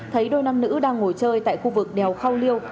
thấy đôi nam nữ đang ngồi chơi tại khu vực đèo khao liêu